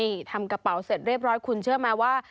นี่ทำกระเป๋าเสร็จเรียบร้อยคุณเชื่อไหมว่า